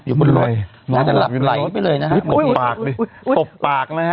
อยู่บนรถน่าจะหลับไหลไปเลยนะครับอุ้ยอุ้ยอุ้ยตบปากนะฮะ